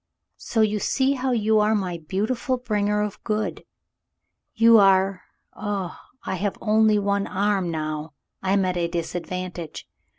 So you see how you are my beautiful bringer of good. You are — Oh, I have only one arm now. I am at a disadvantage.